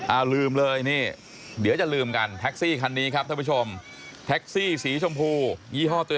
อ้าวลืมเลยนี่เดี๋ยวจะลืมกันแท็กซี่คันนี้ครับท่านผู้ชม